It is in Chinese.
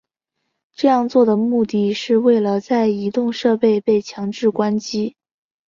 这样做的目的是为了在移动设备被强制关机。